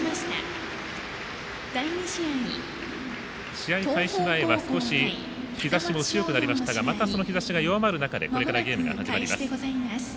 試合開始前は少し、日ざしも強くなりましたがまたその日ざしが弱まる中でゲームが始まります。